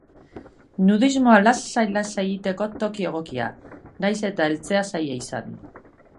Nudismoa lasai-lasai egiteko toki egokia, nahiz eta heltzea zaila izan.